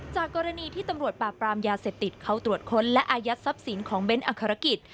จากกรณีที่ตำรวจปราบปรามยาเสพติดเขาตรวจค้นและอายัดทรัพย์สินของเบ้นอัครกิจ